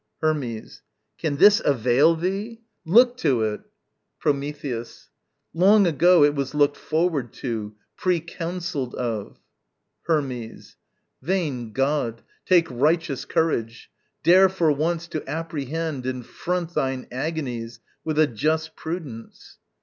Hermes. Can this avail thee? Look to it! Prometheus. Long ago It was looked forward to, precounselled of. Hermes. Vain god, take righteous courage! dare for once To apprehend and front thine agonies With a just prudence.